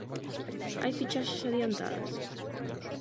Hai fichaxes adiantadas?